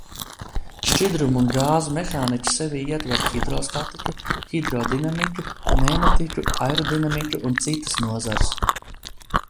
Šķidrumu un gāzu mehānika sevī ietver hidrostatiku, hidrodinamiku, pneimatiku, aerodinamiku un citas nozares.